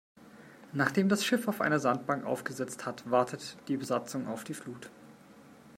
Nachdem das Schiff auf einer Sandbank aufgesetzt hat, wartet die Besatzung auf die Flut.